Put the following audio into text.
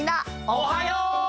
おはよう！